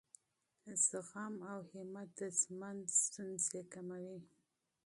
صبر او حوصله د ژوند مشکلات کموي.